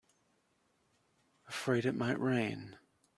Afraid it might rain?